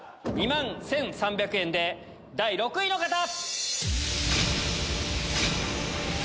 ２万１３００円で第６位の方！